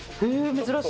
珍しい。